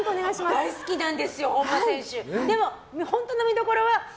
大好きなんです本間選手。